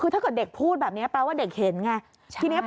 คือถ้าเกิดเด็กพูดแบบนี้แปลว่าเด็กเห็นไง